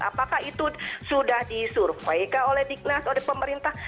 apakah itu sudah disurvei kah oleh dignas oleh pemerintah